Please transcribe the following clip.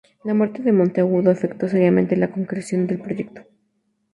La muerte de Monteagudo afectó seriamente la concreción del proyecto.